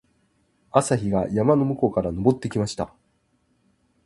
朝日が山の向こうから昇ってきました。